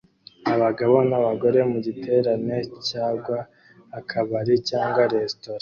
Abagabo n'abagore mugiterane cyangwa akabari cyangwa restaraunt